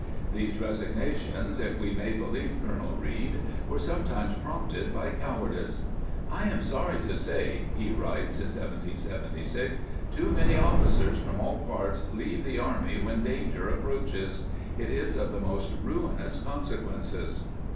^ These resignations, if we may believe Colonel Reed, were sometimes prompted by cowardice. " I am sorry to say," he writes in 1776, " too many officers from all parts leave the army when danger approaches. It is of the most ruinous consequences."